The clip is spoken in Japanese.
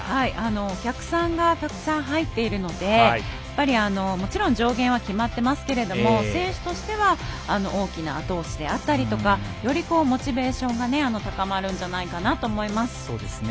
お客さんがたくさん入っているのでもちろん上限は決まっていますが選手としては大きなあと押しで合ったりとかよりモチベーションが高まるんじゃないかなと思います。